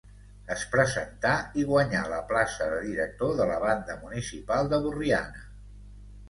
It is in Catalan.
Es presentà, i guanyà, la plaça de director de la banda municipal de Borriana.